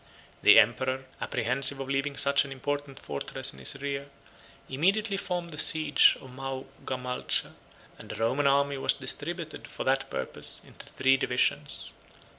The emperor, apprehensive of leaving such an important fortress in his rear, immediately formed the siege of Maogamalcha; and the Roman army was distributed, for that purpose, into three divisions.